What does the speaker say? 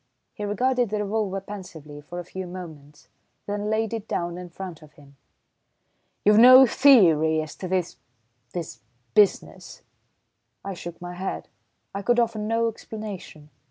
He regarded the revolver pensively for a few moments, then laid it down in front of him. "You've no theory as to this this business?" I shook my head, I could offer no explanation.